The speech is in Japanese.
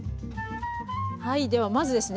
ではまずですね